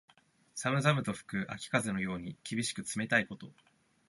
寒々と吹く秋風のように、厳しく冷たいこと。